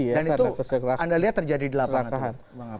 dan itu anda lihat terjadi di lapangan